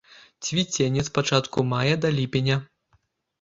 Цвіценне з пачатку мая да ліпеня.